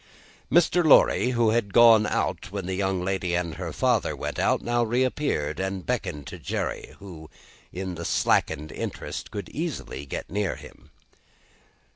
Mr. Lorry, who had gone out when the young lady and her father went out, now reappeared, and beckoned to Jerry: who, in the slackened interest, could easily get near him.